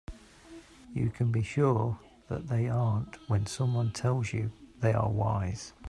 You can be sure that they aren't when someone tells you they are wise.